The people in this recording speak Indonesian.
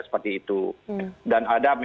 seperti itu dan ada